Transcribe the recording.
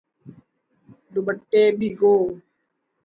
دوپٹے بھگو